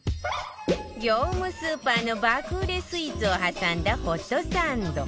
業務スーパーの爆売れスイーツを挟んだホットサンド